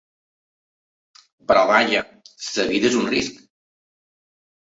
Però vaja, la vida és un risc.